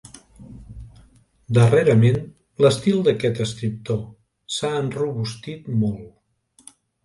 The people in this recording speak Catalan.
Darrerament l'estil d'aquest escriptor s'ha enrobustit molt.